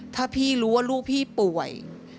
ถ้าพี่รู้ว่าลูกพี่ป่วย